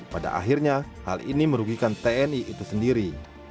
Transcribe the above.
pada akhirnya hal ini merugikan tni itu sendiri